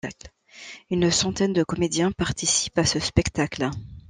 Une centaine de comédiens participent à ce spectacle.